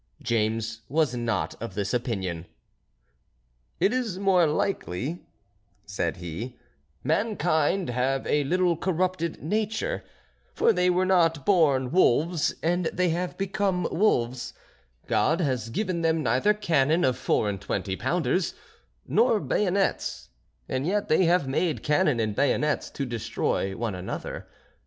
James was not of this opinion. "It is more likely," said he, "mankind have a little corrupted nature, for they were not born wolves, and they have become wolves; God has given them neither cannon of four and twenty pounders, nor bayonets; and yet they have made cannon and bayonets to destroy one another.